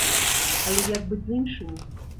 Але як быць з іншымі?